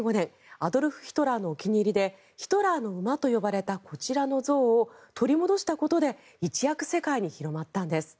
アドルフ・ヒトラーのお気に入りで「ヒトラーの馬」と呼ばれたこちらの像を取り戻したことで一躍、世界に広まったんです。